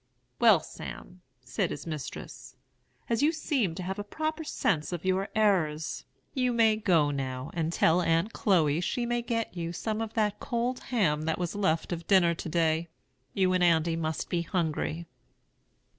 "'Well, Sam,' said his mistress, 'as you seem to have a proper sense of your errors, you may go now and tell Aunt Chloe she may get you some of that cold ham that was left of dinner to day. You and Andy must be hungry.'